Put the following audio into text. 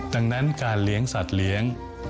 ดังนั้นการเลี้ยงสัตว์เลี้ยง